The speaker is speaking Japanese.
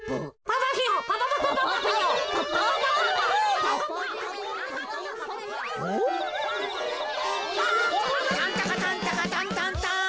タンタカタンタカタンタンタン。